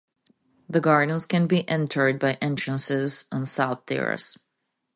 The gardens can be entered by entrances on South Terrace.